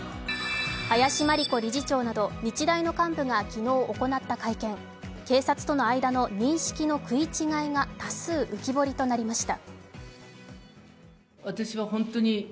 林真理子理事長など日大の幹部が昨日行った会見、警察との間の認識の食い違いが多数浮き彫りとなりました。